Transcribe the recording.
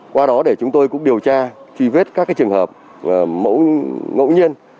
qua đó để chúng tôi cũng điều tra truy vết các trường hợp mẫu ngẫu nhiên